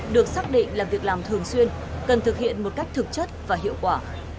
được xác định là việc làm thường xuyên cần thực hiện một cách thực chất và hiệu quả